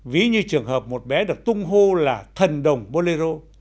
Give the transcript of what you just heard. ví như trường hợp một bé được tung hô là thần đồng bolero